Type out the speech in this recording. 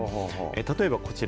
例えばこちら。